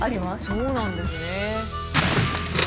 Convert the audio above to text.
そうなんですね。